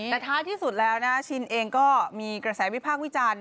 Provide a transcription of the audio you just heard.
แต่ท้ายที่สุดแล้วนะชินเองก็มีกระแสวิพากษ์วิจารณ์